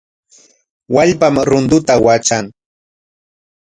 Wallpam runtuta watran.